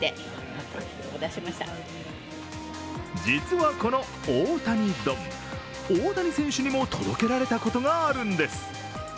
実はこの大谷丼、大谷選手にも届けられたことがあるんです。